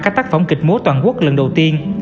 các tác phẩm kịch múa toàn quốc lần đầu tiên